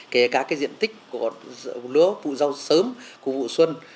kể cả cái diện tích của lứa vụ rau sớm vụ xuân